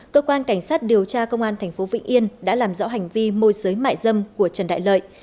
cơ quan cảnh sát điều tra công an tp vĩnh yên đã làm rõ hành vi môi giới mại dâm của trần đại lợi